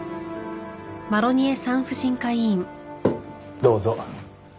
どうぞ。